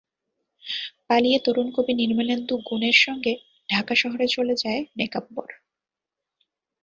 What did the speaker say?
পালিয়ে তরুণ কবি নির্মলেন্দু গুণের সঙ্গে ঢাকা শহরে চলে যায় নেকাব্বর।